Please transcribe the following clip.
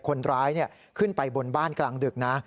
คนร้ายขึ้นไปบนบ้านกลางดึกนะ